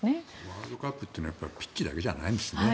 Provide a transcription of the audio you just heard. ワールドカップというのはピッチだけじゃないんですね。